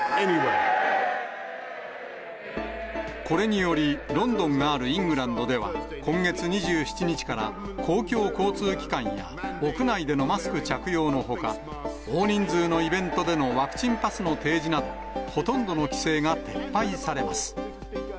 これにより、ロンドンがあるイングランドでは、今月２７日から、公共交通機関や屋内でのマスク着用のほか、大人数のイベントでのワクチンパスの提示など、ほとんどの規制が撤廃されます。